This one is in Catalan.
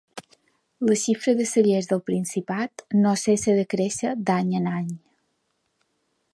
La xifra de cellers del Principat no cessa de créixer d’any en any.